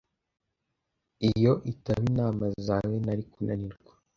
Iyo itaba inama zawe, nari kunanirwa.